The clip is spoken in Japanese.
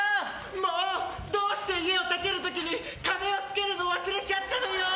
もう、どうして家を建てる時に壁を付けるの忘れちゃったのよ。